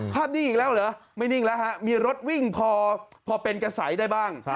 นิ่งอีกแล้วเหรอไม่นิ่งแล้วฮะมีรถวิ่งพอเป็นกระสัยได้บ้าง